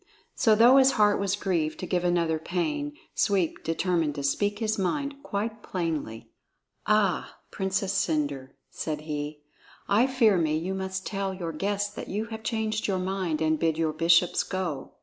So though his heart was grieved to give another pain, Sweep determined to speak his mind quite plainly. "Ah, Princess Cendre," said he, "I fear me you must tell your guests that you have changed your mind and bid your bishops go.